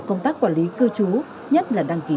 công tác quản lý cư trú nhất là đăng ký